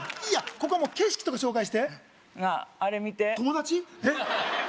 いいやここは景色とか紹介してなああれ見て友達？